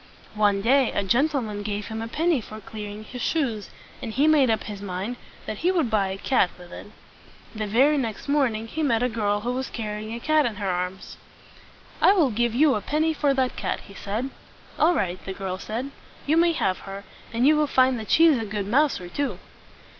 One day a gentleman gave him a penny for cleaning his shoes, and he made up his mind that he would buy a cat with it. The very next morning he met a girl who was car ry ing a cat in her arms. "I will give you a penny for that cat," he said. "All right," the girl said. "You may have her, and you will find that she is a good mouser too."